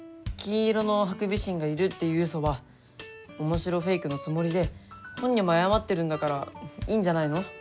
金色のハクビシンがいるっていうウソは面白フェイクのつもりで本人も謝ってるんだからいいんじゃないの？